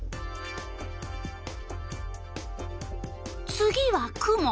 次は雲。